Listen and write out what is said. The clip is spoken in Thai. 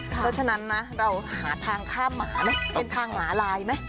เพราะฉะนั้นนะเราหาทางข้ามหมาไหมเป็นทางหมาลายไหม